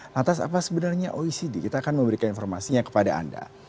lantas apa sebenarnya oecd kita akan memberikan informasinya kepada anda